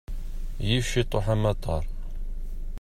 Yif ciṭuḥ amattar.